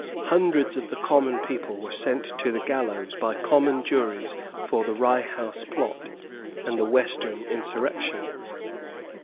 Hundreds of the common people were sent to the gallows by common juries for the Rye House Plot and the Western Insurrection.